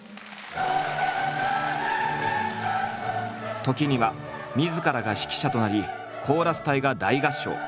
時にはみずからが指揮者となりコーラス隊が大合唱。